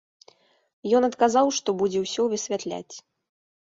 Ён адказаў, што будзе ўсё высвятляць.